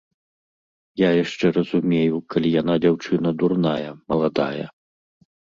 Я яшчэ разумею, калі яна дзяўчына дурная, маладая.